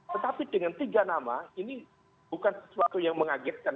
tetapi dengan tiga nama ini bukan sesuatu yang mengagetkan